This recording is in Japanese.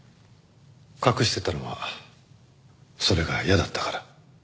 隠してたのはそれが嫌だったから。